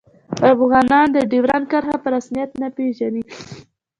افغانان د ډیورنډ کرښه په رسمیت نه پيژني